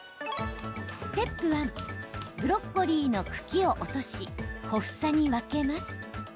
ステップ１ブロッコリーの茎を落とし小房に分けます。